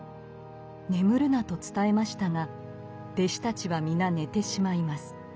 眠るなと伝えましたが弟子たちは皆寝てしまいます。